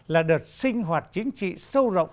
là đợt sinh hoạt chính trị sâu rộng